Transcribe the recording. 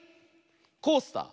「コースター」。